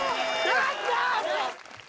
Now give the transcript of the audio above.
やった！